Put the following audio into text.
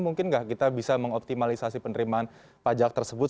mungkin nggak kita bisa mengoptimalisasi penerimaan pajak tersebut